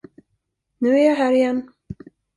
Nu är jag här igen.